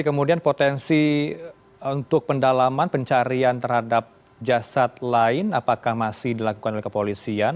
kemudian potensi untuk pendalaman pencarian terhadap jasad lain apakah masih dilakukan oleh kepolisian